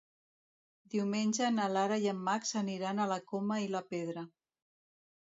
Diumenge na Lara i en Max aniran a la Coma i la Pedra.